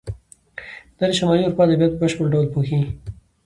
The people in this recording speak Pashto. دا د شمالي اروپا ادبیات په بشپړ ډول پوښي.